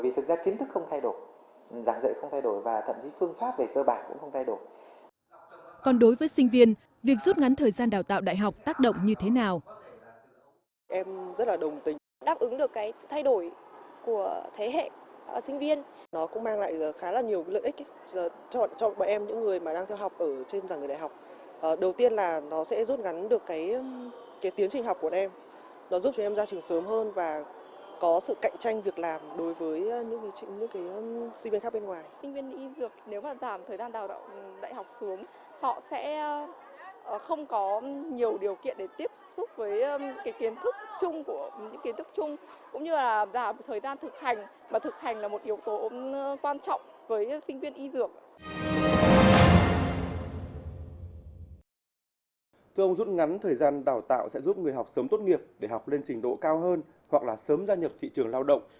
thưa ông rút ngắn thời gian đào tạo sẽ giúp người học sớm tốt nghiệp để học lên trình độ cao hơn hoặc là sớm gia nhập thị trường lao động